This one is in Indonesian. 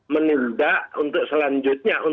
menunda untuk selanjutnya